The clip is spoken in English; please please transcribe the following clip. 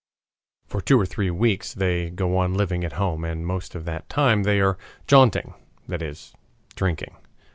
For two or three weeks they go on living at home, and most of that time they are "jaunting," that is, drinking.